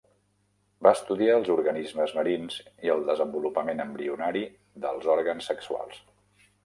Va estudiar els organismes marins i el desenvolupament embrionari dels òrgans sexuals.